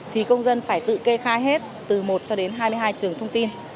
thì công dân phải tự kê khai hết từ một cho đến hai mươi hai trường thông tin